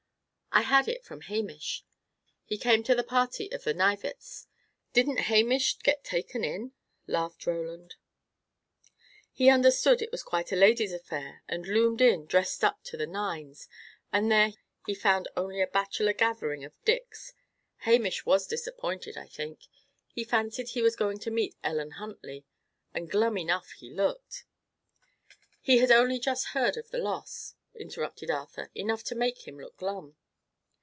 "I had it from Hamish. He came to the party at the Knivetts'. Didn't Hamish get taken in!" laughed Roland. "He understood it was quite a ladies' affair, and loomed in, dressed up to the nines, and there he found only a bachelor gathering of Dick's. Hamish was disappointed, I think; he fancied he was going to meet Ellen Huntley; and glum enough he looked " "He had only just heard of the loss," interrupted Arthur. "Enough to make him look glum."